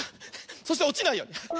そしておちないように。